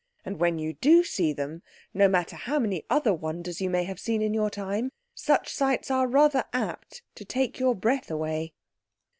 And when you do see them, no matter how many other wonders you may have seen in your time, such sights are rather apt to take your breath away.